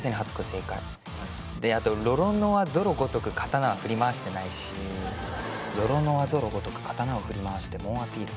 正解であとロロノア・ゾロごとく刀は振り回してないし「ロロノア・ゾロごとく刀を振り回して猛アピール！」